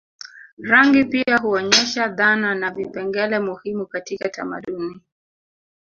Rangi pia huonyesha dhana na vipengele muhimu katika tamaduni